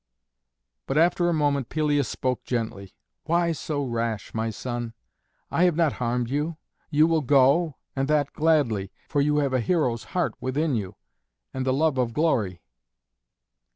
But after a moment Pelias spoke gently, "Why so rash, my son? I have not harmed you. You will go, and that gladly, for you have a hero's heart within you, and the love of glory."